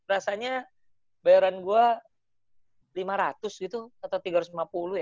rasanya bayaran gue lima ratus gitu atau tiga ratus lima puluh ya